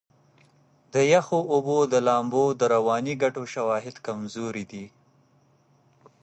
د یخو اوبو د لامبو د رواني ګټو شواهد کمزوري دي.